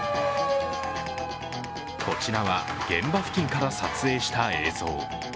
こちらは現場付近から撮影した映像。